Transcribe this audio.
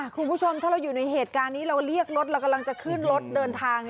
คุณผู้ชมถ้าเราอยู่ในเหตุการณ์นี้เราเรียกรถเรากำลังจะขึ้นรถเดินทาง